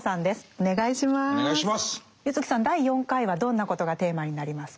柚木さん第４回はどんなことがテーマになりますか？